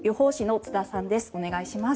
お願いします。